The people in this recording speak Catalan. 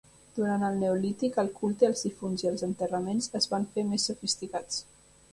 Durant el neolític, el culte als difunts i els enterraments es van fer més sofisticats.